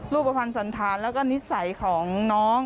รูปภัณฑ์สันธารแล้วก็นิสัยของน้อง